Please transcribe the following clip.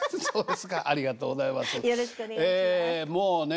そうです。